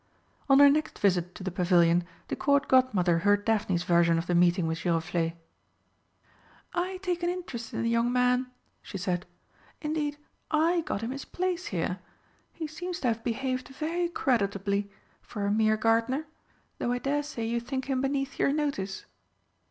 On her next visit to the Pavilion the Court Godmother heard Daphne's version of the meeting with Giroflé. "I take an interest in the young man," she said. "Indeed I got him his place here. He seems to have behaved very creditably for a mere gardener. Though I dare say you think him beneath your notice."